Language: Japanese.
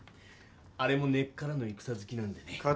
あれも根っからの戦好きなんでね。